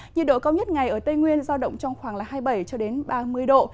nhiệt độ cao nhất ngày ở tây nguyên giao động trong khoảng hai mươi bảy ba mươi độ